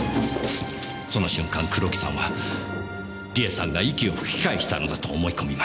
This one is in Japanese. その瞬間黒木さんは梨絵さんが息を吹き返したのだと思い込みました。